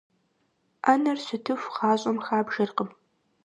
Ӏэнэр щытыху, гъащӀэм хабжэркъым.